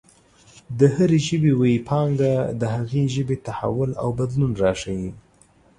د هرې ژبې ویي پانګه د هغې ژبې تحول او بدلون راښايي.